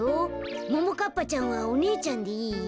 ももかっぱちゃんはおねえちゃんでいい？